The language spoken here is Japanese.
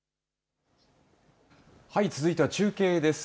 はい、続いては中継です。